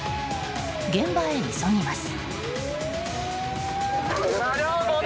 現場へ急ぎます。